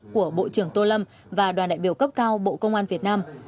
của bộ trưởng tô lâm và đoàn đại biểu cấp cao bộ công an việt nam